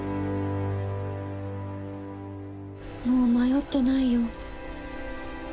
もう迷ってないよ。